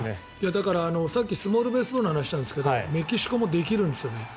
だから、さっきスモールベースボールの話をしたんですがメキシコもできるんですね